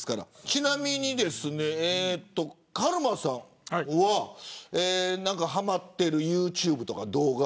ちなみにカルマさんははまっているユーチューブや動画